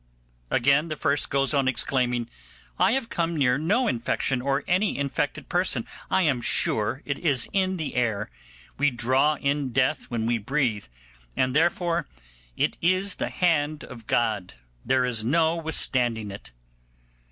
Again, the first goes on exclaiming, 'I have come near no infection or any infected person; I am sure it is the air. We draw in death when we breathe, and therefore 'tis the hand of God; there is no withstanding it.